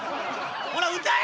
ほな歌え！